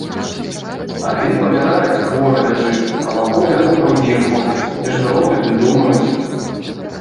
Адзін памірае ці хворы ляжыць, а вакол яго другія ходзяць, нешта робяць ды думаюць.